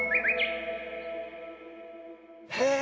へえ。